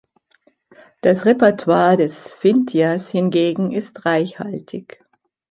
Das Repertoire des Phintias hingegen ist reichhaltig.